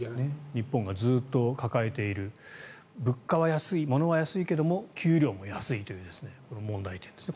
日本がずっと抱えている物価は安い、ものは安いけど給料も安いというこの問題点ですね。